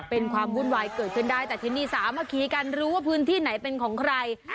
เป็นความวุ่นวายเกิดขึ้นได้แต่ที่นี่สามัคคีกันรู้ว่าพื้นที่ไหนเป็นของใคร